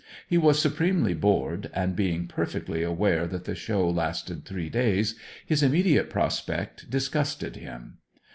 He was supremely bored, and, being perfectly aware that the show lasted three days, his immediate prospect disgusted him.